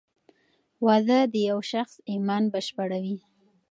واده د یو شخص ایمان بشپړوې.